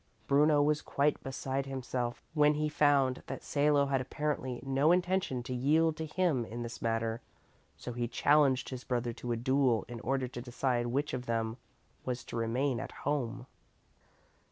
Bruno was quite beside himself when he found that Salo had apparently no intention to yield to him in the matter, so he challenged his brother to a duel in order to decide which of them was to remain at home.